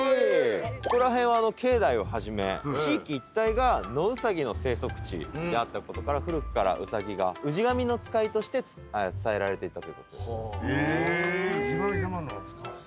ここら辺は境内をはじめ地域一帯が野うさぎの生息地であったことから古くからうさぎが氏神の使いとして伝えられていたということですね。